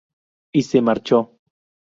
Y se marchó.